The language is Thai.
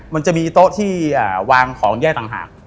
มันจะมีโต๊ะที่วางของแยกต่างหาก